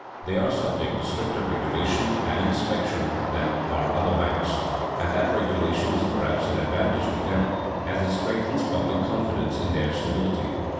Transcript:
They are subject to stricter regulation and inspection than are other banks, and that regulation is perhaps an advantage to them, as it strengthens public confidence in their stability.